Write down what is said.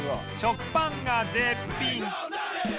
「食パンが絶品！」